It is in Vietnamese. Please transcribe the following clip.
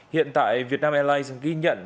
hiện tại vietnam airlines ghi nhận